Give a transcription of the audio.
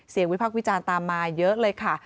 วิพักษ์วิจารณ์ตามมาเยอะเลยค่ะ